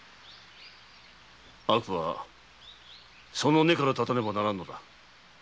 悪はその根から絶たねばならぬのだ！